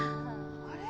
あれ？